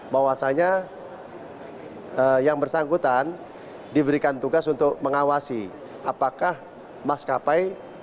bahwasanya yang bersangkutan diberikan tugas untuk mengawasi apakah maskapai berada di daerah git estre awak